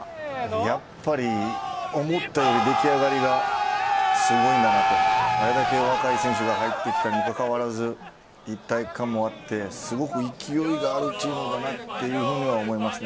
やっぱり思ったより出来上がりがすごいなと、あれだけ若い選手が入ってきたにもかかわらず一体感もあって、すごく勢いがあるというふうに思いますね。